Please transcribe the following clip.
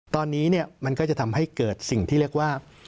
ตอนนี้มันก็จะทำให้เกิดสิ่งที่เรียกว่า